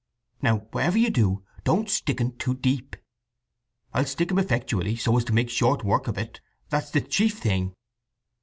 Now whatever you do, don't stick un too deep." "I'll stick him effectually, so as to make short work of it. That's the chief thing."